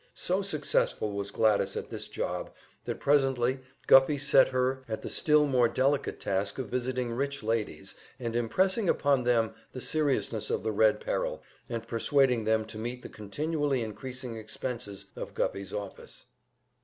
So successful was Gladys at this job that presently Guffey set her at the still more delicate task of visiting rich ladies, and impressing upon them the seriousness of the Red peril, and persuading them to meet the continually increasing expenses of Guffey's office.